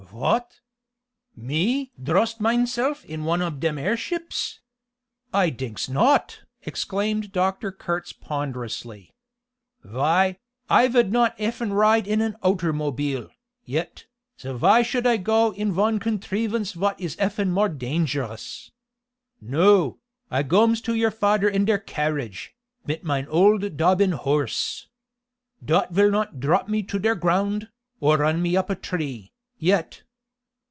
"Vot! Me drust mineself in one ob dem airships? I dinks not!" exclaimed Dr. Kurtz ponderously. "Vy, I vould not efen ride in an outer mobile, yet, so vy should I go in von contrivance vot is efen more dangerous? No, I gomes to your fader in der carriage, mit mine old Dobbin horse. Dot vill not drop me to der ground, or run me up a tree, yet!